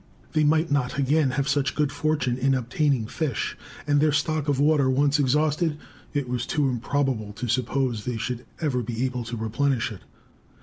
They might not again have such good fortune in obtaining fish; and their stock of water once exhausted, it was too improbable to suppose they should ever be able to replenish it.